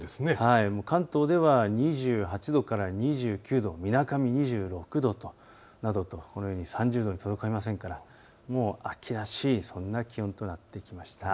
関東では２８度から２９度、みなかみ２６度などとこのように３０度に届きませんからもう秋らしい、そんな気温となってきました。